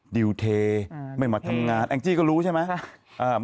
ดิวเทไม่มาทำงานแองจี้ก็รู้ใช่ไหม